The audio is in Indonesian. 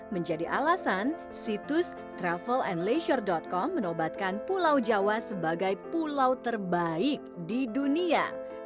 menjadi alasan situs travelandleisure com menobatkan pulau jawa sebagai pulau terbaik di dunia